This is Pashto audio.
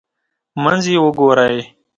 منځ یې وګورئ.